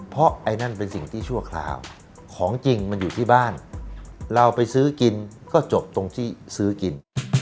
เพราะไอ้นั่นเป็นสิ่งที่ชั่วคราวของจริงมันอยู่ที่บ้านเราไปซื้อกินก็จบตรงที่ซื้อกิน